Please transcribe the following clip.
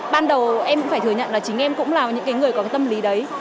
ban đầu em cũng phải thừa nhận là chính em cũng là những người có tâm lý đấy